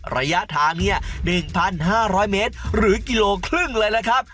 ระยะทาง๑๕๐๐เมตรหรือกิโลครึ่งเลยล่ะครับ